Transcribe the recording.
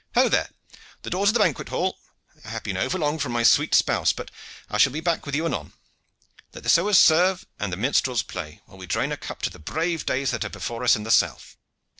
"Ho, there! the doors of the banquet hall! I have been over long from my sweet spouse but I shall be back with you anon. Let the sewers serve and the minstrels play, while we drain a cup to the brave days that are before us in the south!"